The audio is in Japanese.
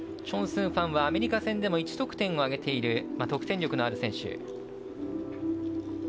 チョン・スンファンはアメリカで１得点を挙げている得点力のある選手。